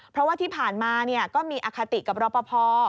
เพราะว่าที่ผ่านมาก็มีอคติกับรอปภ